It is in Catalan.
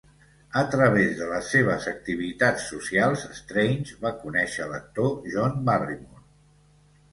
A través de les seves activitats socials, Strange va conèixer l"actor John Barrymore.